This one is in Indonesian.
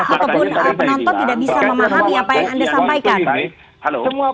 ataupun penonton tidak bisa memahami